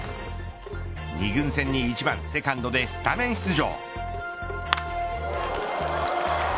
２軍戦に１番セカンドでスタメン出場。